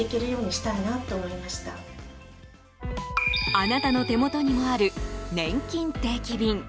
あなたの手元にもあるねんきん定期便。